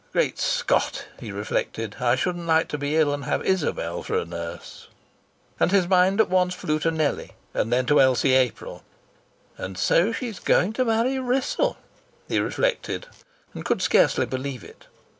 "Great Scott!" he reflected. "I shouldn't like to be ill and have Isabel for a nurse!" And his mind at once flew to Nellie, and then to Elsie April. "And so she's going to marry Wrissell!" he reflected, and could scarcely believe it.